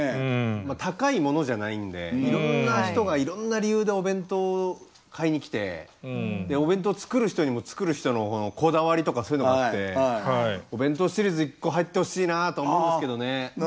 高いものじゃないんでいろんな人がいろんな理由でお弁当を買いにきてお弁当を作る人にも作る人のこだわりとかそういうのもあって弁当シリーズ一個入ってほしいなと思うんですけどね。